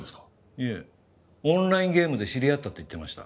いえオンラインゲームで知り合ったって言ってました。